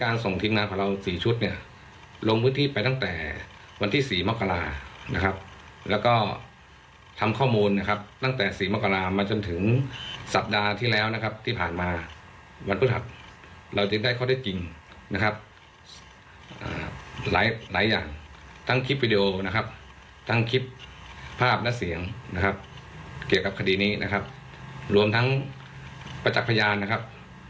รวมทั้งประจักษณ์พยานนะครับ